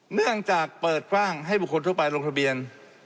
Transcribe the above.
เนื่องจากเปิดกว้างให้บุคคลทั่วไปลงทะเบียน